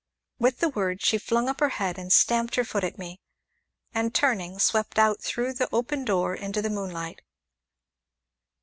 With the word, she flung up her head and stamped her foot at me, and turning, swept out through the open door into the moonlight.